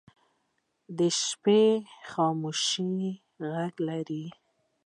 د شپې خاموشي غږ لري